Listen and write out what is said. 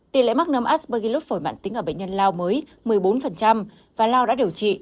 tỷ lệ mắc nấm aspergillus phổi mạng tính ở bệnh nhân lao mới một mươi bốn và lao đã điều trị năm mươi sáu